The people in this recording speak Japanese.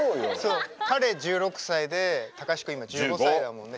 彼１６歳で隆子今１５歳だもんね。